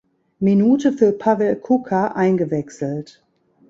Minute für Pavel Kuka eingewechselt.